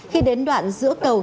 khi đến đoạn giữa cầu